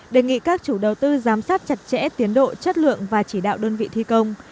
đề nghị các chủ đầu tư giám sát chặt chẽ tiến độ chất lượng và chỉ đạo đơn vị thi công